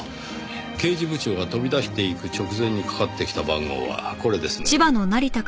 刑事部長が飛び出していく直前にかかってきた番号はこれですね。